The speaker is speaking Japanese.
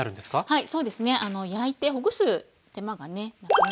はい。